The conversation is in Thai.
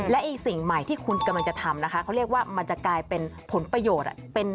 และอีกสิ่งใหม่ที่คุณกำลังจะทำนะคะเขาเรียกว่ามันจะกลายเป็นผลประโยชน์